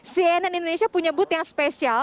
cnn indonesia punya booth yang spesial